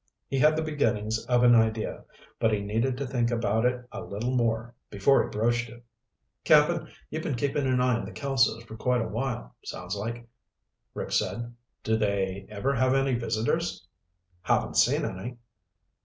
He had the beginnings of an idea, but he needed to think about it a little more before he broached it. "Cap'n, you've been keeping an eye on the Kelsos for quite a while, sounds like," Rick said. "Do they ever have any visitors?" "Haven't seen any."